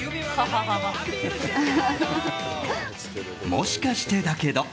「もしかしてだけど」。